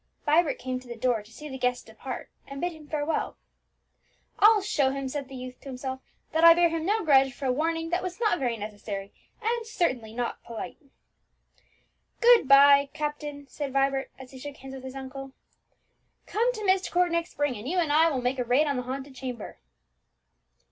Vibert came to the door to see the guest depart and bid him farewell. "I'll show him," said the youth to himself, "that I bear him no grudge for a warning that was not very necessary, and certainly not very polite." "Good bye, captain," cried Vibert, as he shook hands with his uncle; "come to Myst Court next spring, and you and I will make a raid on the haunted chamber."